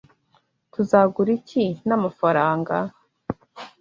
Tuzagura iki n'amafaranga?